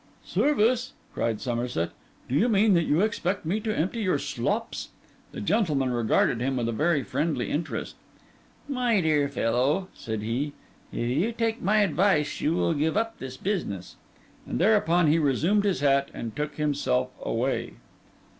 'Service?' cried Somerset. 'Do you mean that you expect me to empty your slops?' The gentleman regarded him with a very friendly interest. 'My dear fellow,' said he, 'if you take my advice, you will give up this business.' And thereupon he resumed his hat and took himself away.